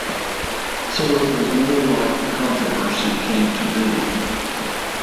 So it was more like the controversy came to me.